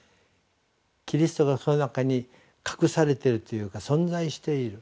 キリストがその中に隠されているというか存在している。